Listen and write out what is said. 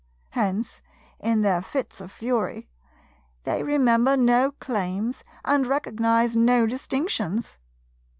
Hence, in their fits of fury, they remember no claims and recognize no distinctions.